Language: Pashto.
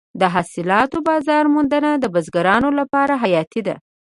د حاصلاتو بازار موندنه د بزګرانو لپاره حیاتي ده.